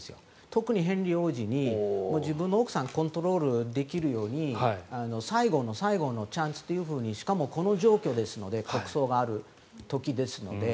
特にヘンリー王子に自分の奥さんをコントロールできるように最後の最後のチャンスというふうにしかもこの状況ですので国葬がある時ですので。